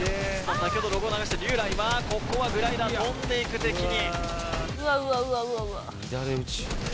先ほどログを流したＲｙｕｒａグライダー飛んでいく敵に。